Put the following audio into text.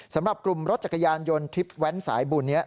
สำหรับกลุ่มรถจักรยานยนต์ทริปแว้นสายบุญนี้